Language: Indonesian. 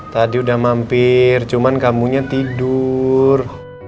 tadi udah mampir cuman kamu nya tidur